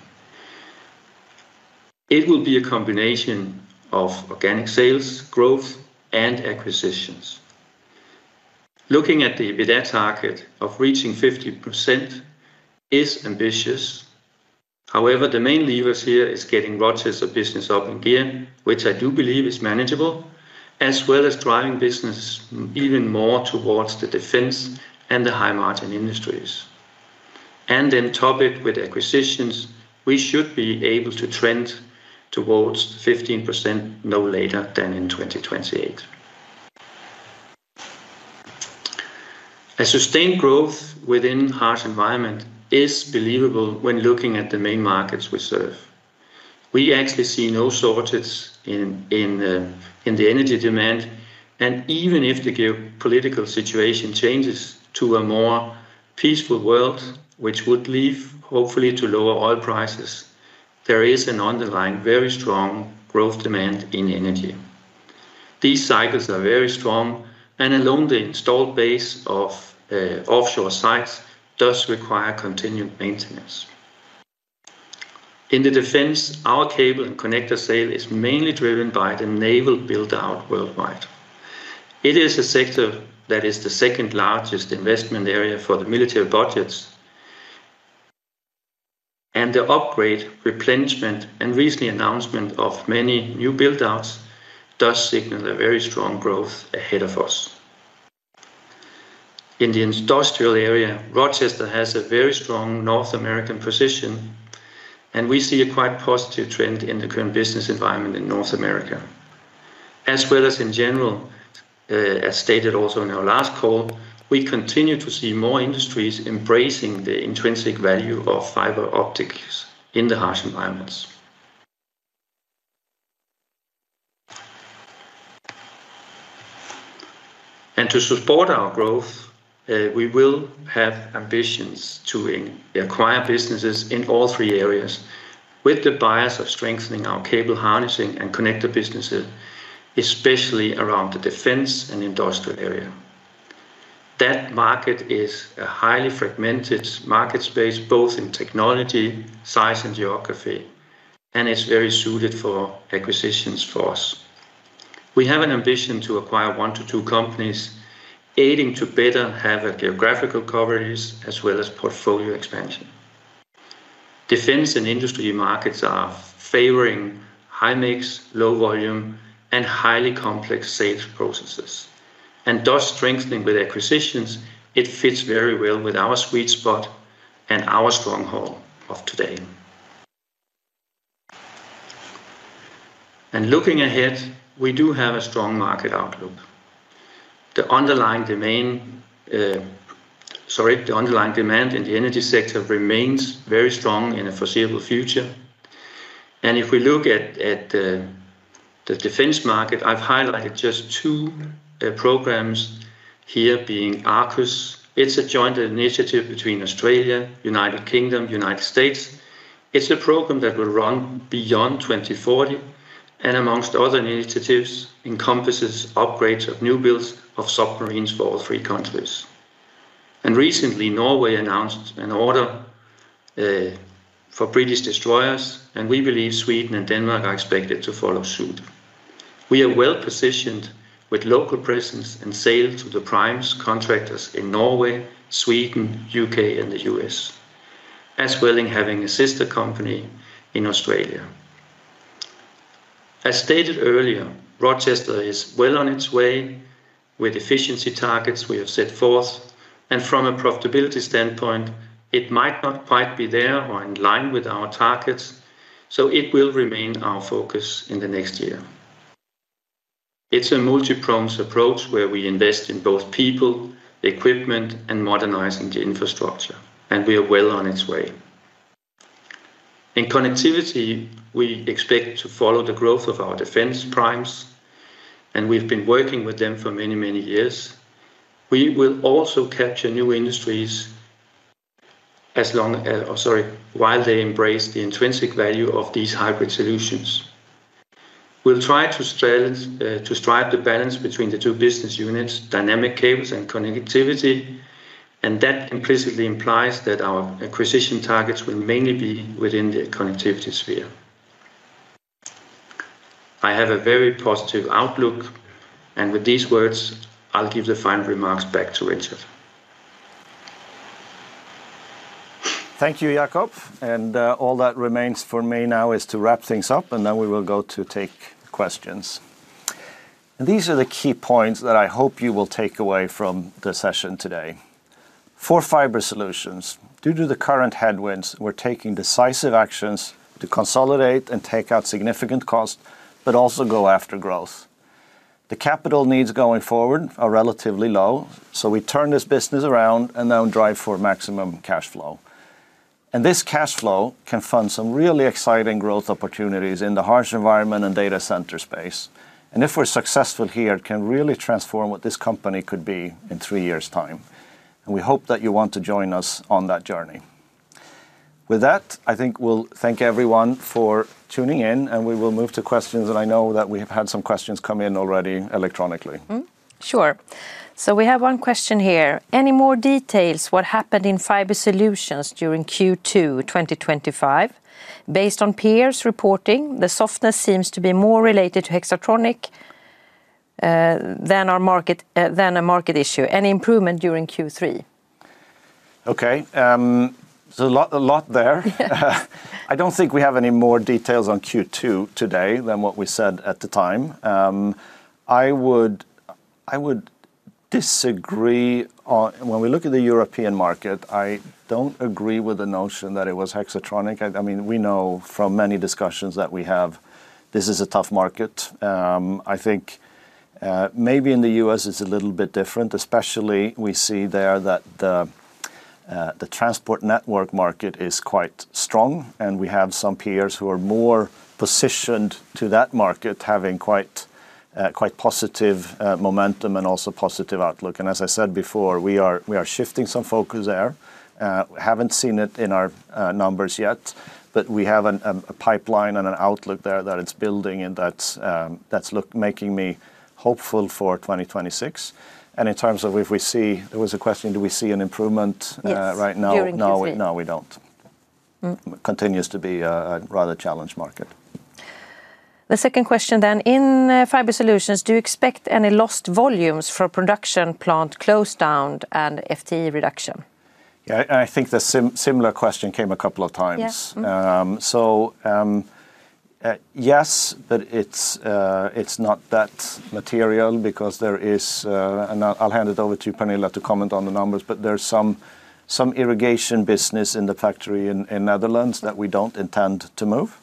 It will be a combination of organic sales, growth, and acquisitions. Looking at the EBITDA target of reaching 15% is ambitious. However, the main levers here are getting Rochester Cable business up again, which I do believe is manageable, as well as driving business even more towards the defense and the high-margin industries. Then top it with acquisitions, we should be able to trend towards 15% no later than in 2028. A sustained growth within harsh environment solutions is believable when looking at the main markets we serve. We actually see no shortage in the energy demand. Even if the geopolitical situation changes to a more peaceful world, which would lead hopefully to lower oil prices, there is an underlying very strong growth demand in energy. These cycles are very strong, and alone the installed base of offshore sites does require continued maintenance. In defense, our cable and connector sale is mainly driven by the naval build-out worldwide. It is a sector that is the second largest investment area for the military budgets. The upgrade, replenishment, and recent announcement of many new build-outs does signal a very strong growth ahead of us. In the industrial area, Rochester Cable has a very strong North American position, and we see a quite positive trend in the current business environment in North America. As well as in general, as stated also in our last call, we continue to see more industries embracing the intrinsic value of fiber optics in harsh environments. To support our growth, we will have ambitions to acquire businesses in all three areas, with the bias of strengthening our cable harnessing and connector businesses, especially around the defense and industrial area. That market is a highly fragmented market space, both in technology, size, and geography, and is very suited for acquisitions for us. We have an ambition to acquire one to two companies, aiding to better have geographical coverage as well as portfolio expansion. Defense and industry markets are favoring high mix, low volume, and highly complex sales processes. Thus strengthening with acquisitions fits very well with our sweet spot and our stronghold of today. Looking ahead, we do have a strong market outlook. The underlying demand in the energy sector remains very strong in the foreseeable future. If we look at the defense market, I've highlighted just two programs here, being ARCUS. It's a joint initiative between Australia, the United Kingdom, and the United States. It's a program that will run beyond 2040, and amongst other initiatives, it encompasses upgrades of new builds of submarines for all three countries. Recently, Norway announced an order for British destroyers, and we believe Sweden and Denmark are expected to follow suit. We are well positioned with local presence and sale to the prime contractors in Norway, Sweden, the UK, and the U.S., as well as having a sister company in Australia. As stated earlier, Rochester Cable is well on its way with efficiency targets we have set forth. From a profitability standpoint, it might not quite be there or in line with our targets, so it will remain our focus in the next year. It's a multi-pronged approach where we invest in both people, the equipment, and modernizing the infrastructure, and we are well on its way. In connectivity, we expect to follow the growth of our defense primes, and we've been working with them for many, many years. We will also capture new industries while they embrace the intrinsic value of these hybrid solutions. We'll try to strive to strike the balance between the two business units, dynamic cables and connectivity, and that implicitly implies that our acquisition targets will mainly be within the connectivity sphere. I have a very positive outlook, and with these words, I'll give the final remarks back to Rikard. Thank you, Jakob. All that remains for me now is to wrap things up, and then we will go to take questions. These are the key points that I hope you will take away from the session today. For fiber solutions, due to the current headwinds, we're taking decisive actions to consolidate and take out significant costs, but also go after growth. The capital needs going forward are relatively low, so we turn this business around and now drive for maximum cash flow. This cash flow can fund some really exciting growth opportunities in the harsh environment and data center space. If we're successful here, it can really transform what this company could be in three years' time. We hope that you want to join us on that journey. With that, I think we'll thank everyone for tuning in, and we will move to questions. I know that we've had some questions come in already electronically. Sure. We have one question here. Any more details on what happened in fiber solutions during Q2 2025? Based on peers' reporting, the softness seems to be more related to Hexatronic than a market issue. Any improvement during Q3? Okay. A lot there. I don't think we have any more details on Q2 today than what we said at the time. I would disagree. When we look at the European market, I don't agree with the notion that it was Hexatronic. We know from many discussions that we have, this is a tough market. I think maybe in the U.S. it's a little bit different, especially we see there that the transport network market is quite strong, and we have some peers who are more positioned to that market, having quite positive momentum and also positive outlook. As I said before, we are shifting some focus there. We haven't seen it in our numbers yet, but we have a pipeline and an outlook there that is building, and that's making me hopeful for 2026. In terms of if we see, there was a question, do we see an improvement right now? No, we don't. It continues to be a rather challenged market. The second question then, in fiber solutions, do you expect any lost volumes for production plant close down and FTE reduction? Yeah, I think the similar question came a couple of times. Yes, but it's not that material because there is, and I'll hand it over to Pernilla to comment on the numbers, but there's some irrigation business in the factory in the Netherlands that we don't intend to move.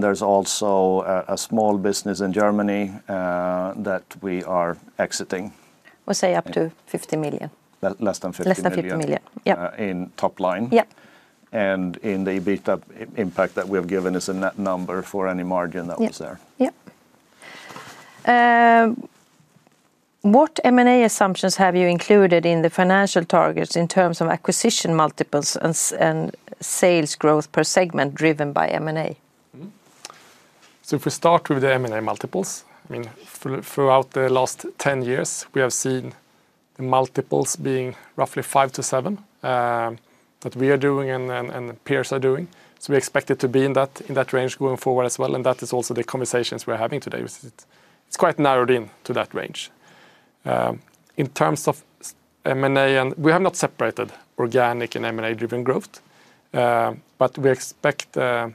There's also a small business in Germany that we are exiting. Up to $50 million. Less than $50 million. Less than $50 million, yeah. In top line. Yeah. The EBITDA impact that we have given is a net number for any margin that was there. Yeah. What M&A assumptions have you included in the financial targets in terms of acquisition multiples and sales growth per segment driven by M&A? If we start with the M&A multiples, I mean, throughout the last 10 years, we have seen the multiples being roughly five to seven that we are doing and peers are doing. We expect it to be in that range going forward as well, and that is also the conversations we're having today. It's quite narrowed in to that range. In terms of M&A, we have not separated organic and M&A-driven growth, but we expect a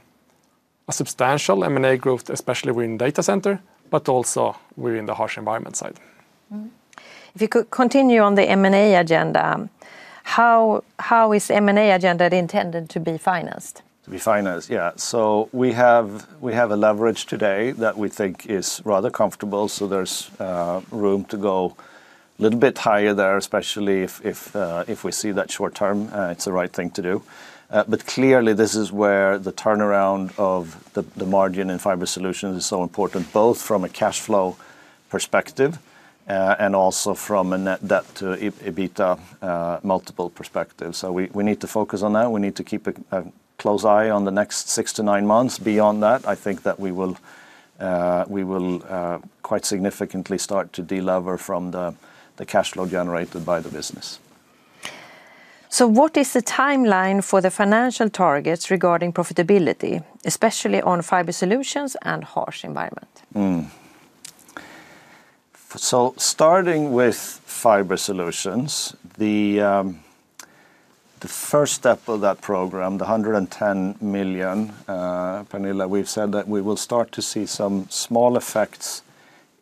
substantial M&A growth, especially within the data center, but also within the harsh environment side. If you could continue on the M&A agenda, how is the M&A agenda intended to be financed? To be financed, yeah. We have a leverage today that we think is rather comfortable, so there's room to go a little bit higher there, especially if we see that short term, it's the right thing to do. Clearly, this is where the turnaround of the margin in fiber solutions is so important, both from a cash flow perspective and also from a net debt to EBITDA multiple perspective. We need to focus on that. We need to keep a close eye on the next six to nine months. Beyond that, I think that we will quite significantly start to delever from the cash flow generated by the business. What is the timeline for the financial targets regarding profitability, especially on fiber solutions and harsh environment? Starting with fiber solutions, the first step of that program, the $110 million, Pernilla, we've said that we will start to see some small effects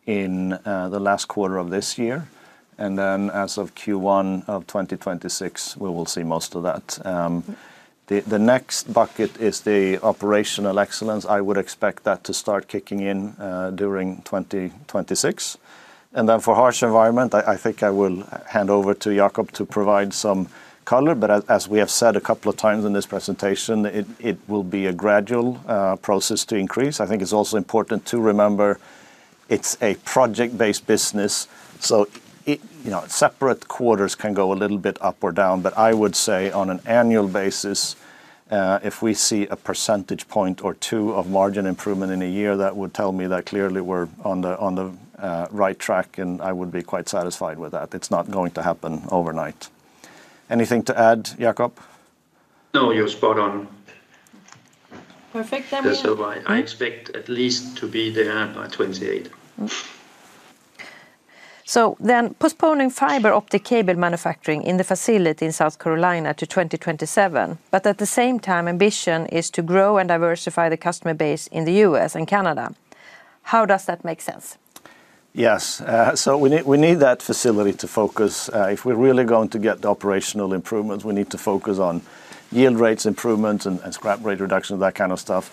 in the last quarter of this year. As of Q1 of 2026, we will see most of that. The next bucket is the operational excellence. I would expect that to start kicking in during 2026. For harsh environment, I think I will hand over to Jakob to provide some color. As we have said a couple of times in this presentation, it will be a gradual process to increase. I think it's also important to remember it's a project-based business, so separate quarters can go a little bit up or down. I would say on an annual basis, if we see a percentage point or two of margin improvement in a year, that would tell me that clearly we're on the right track, and I would be quite satisfied with that. It's not going to happen overnight. Anything to add, Jakob? No, you're spot on. Perfect. That's all right. I expect at least to be there by 2028. Postponing fiber optic cable manufacturing in the facility in South Carolina to 2027, but at the same time, ambition is to grow and diversify the customer base in the U.S. and Canada. How does that make sense? Yes, we need that facility to focus. If we're really going to get the operational improvements, we need to focus on yield rates improvements and scrap rate reduction and that kind of stuff.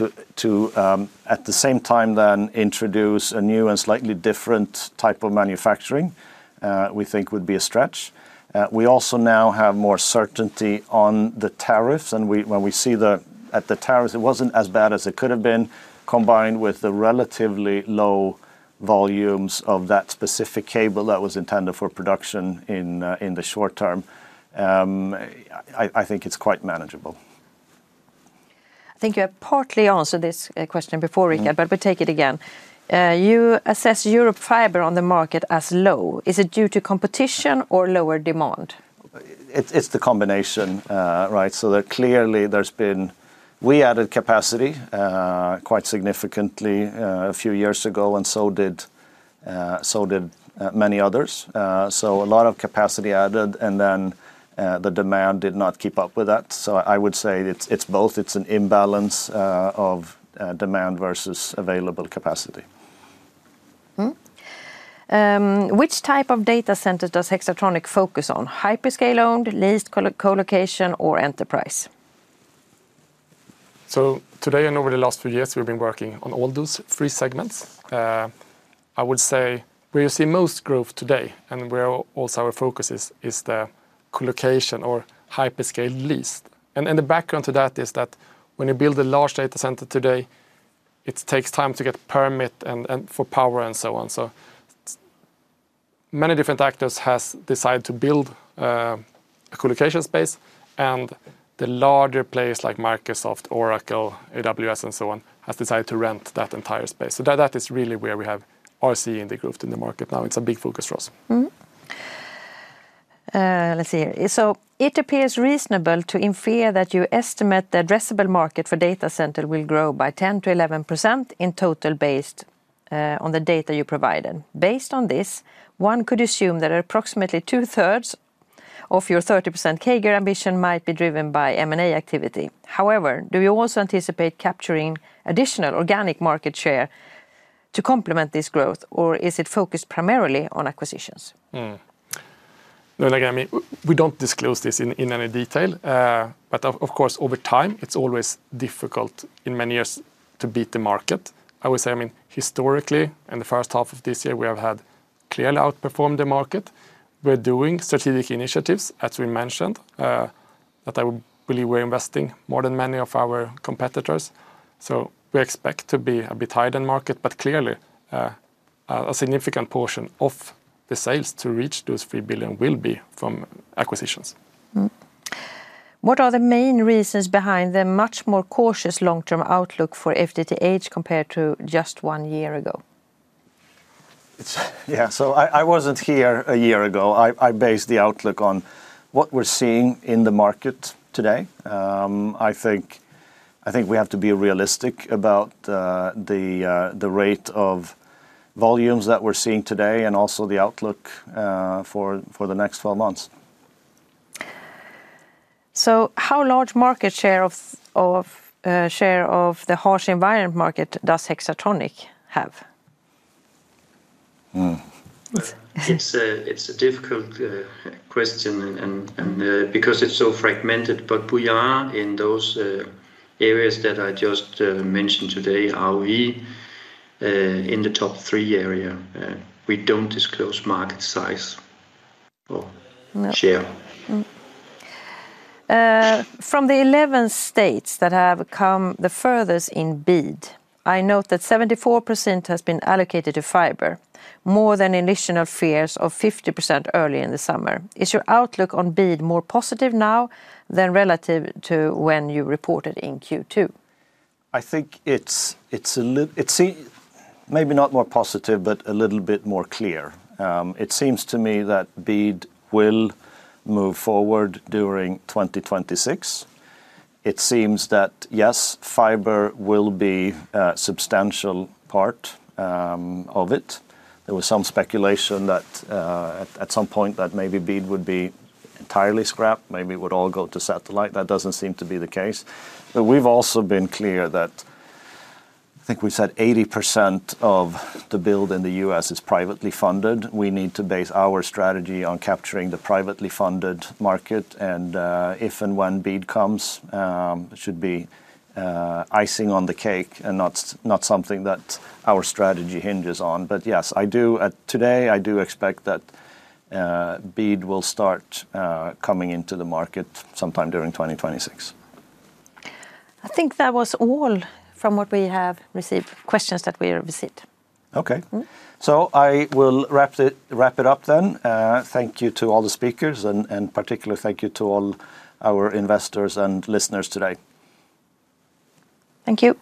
At the same time, introduce a new and slightly different type of manufacturing, which we think would be a stretch. We also now have more certainty on the tariffs, and when we see that the tariffs weren't as bad as they could have been, combined with the relatively low volumes of that specific cable that was intended for production in the short term, I think it's quite manageable. I think you have partly answered this question before, Rikard, but we'll take it again. You assessed Europe fiber on the market as low. Is it due to competition or lower demand? It's the combination, right? Clearly, there's been, we added capacity quite significantly a few years ago, and so did many others. A lot of capacity added, and then the demand did not keep up with that. I would say it's both. It's an imbalance of demand versus available capacity. Which type of data center does Hexatronic focus on? Hyperscale owned, leased colocation, or enterprise? Today, and over the last few years, we've been working on all those three segments. I would say where you see most growth today, and where also our focus is, is the colocation or hyperscale leased. The background to that is that when you build a large data center today, it takes time to get permits for power and so on. Many different actors have decided to build a colocation space, and the larger players like Microsoft, Oracle, AWS, and so on have decided to rent that entire space. That is really where we have seen the growth in the market now. It's a big focus for us. It appears reasonable to infer that you estimate the addressable market for data center solutions will grow by 10 to 11% in total based on the data you provided. Based on this, one could assume that approximately two-thirds of your 30% CAGR ambition might be driven by M&A activity. However, do you also anticipate capturing additional organic market share to complement this growth, or is it focused primarily on acquisitions? No, we don't disclose this in any detail. Of course, over time, it's always difficult in many years to beat the market. I would say, historically, in the first half of this year, we have had clearly outperformed the market. We're doing strategic initiatives, as we mentioned, that I believe we're investing more than many of our competitors. We expect to be a bit tighter in the market, but clearly, a significant portion of the sales to reach those 3 billion will be from acquisitions. What are the main reasons behind the much more cautious long-term outlook for FTTH compared to just one year ago? Yeah, I wasn't here a year ago. I based the outlook on what we're seeing in the market today. I think we have to be realistic about the rate of volumes that we see today. and also the outlook for the next 12 months. How large market share of the harsh environment market does Hexatronic have? It's a difficult question because it's so fragmented. Beyond those areas that I just mentioned today, we are in the top three areas. We don't disclose market size or share. From the 11 states that have come the furthest in BID, I note that 74% has been allocated to fiber, more than initial fears of 50% early in the summer. Is your outlook on BID more positive now than relative to when you reported in Q2? I think it's maybe not more positive, but a little bit more clear. It seems to me that BID will move forward during 2026. It seems that, yes, fiber will be a substantial part of it. There was some speculation that at some point that maybe BID would be entirely scrapped, maybe it would all go to satellite. That doesn't seem to be the case. We've also been clear that I think we said 80% of the build in the U.S. is privately funded. We need to base our strategy on capturing the privately funded market. If and when BID comes, it should be icing on the cake and not something that our strategy hinges on. Yes, I do today, I do expect that BID will start coming into the market sometime during 2026. I think that was all from what we have received, questions that we have received. Okay, I will wrap it up then. Thank you to all the speakers, and particularly thank you to all our investors and listeners today. Thank you.